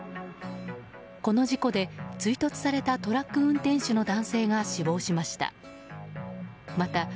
この事故で追突されたトラック運転手の男性が死亡しました。